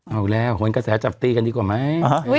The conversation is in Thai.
เอาแล้วหนกระแสจับตีกันดีกว่าไหม